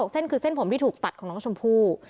เส้นคือเส้นผมที่ถูกตัดของน้องชมพู่